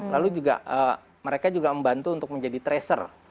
lalu juga mereka juga membantu untuk menjadi tracer